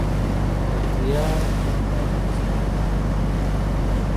پکتیا د افغانستان په هره برخه کې موندل کېږي.